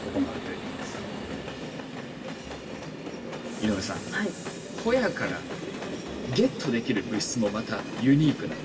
井上さんホヤからゲットできる物質もまたユニークなんです。